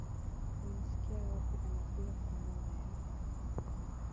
Umesikia wapi anakula kwa mama yake?